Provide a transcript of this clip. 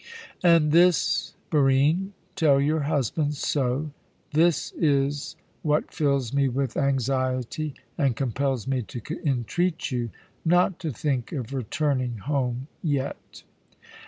"And this, Barine tell your husband so this is what fills me with anxiety and compels me to entreat you not to think of returning home yet.